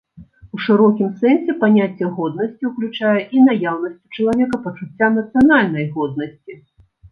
У шырокім сэнсе паняцце годнасці ўключае і наяўнасць у чалавека пачуцця нацыянальнай годнасці.